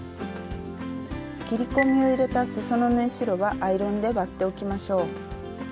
切り込みを入れたすその縫い代はアイロンで割っておきましょう。